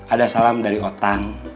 ada salam dari otang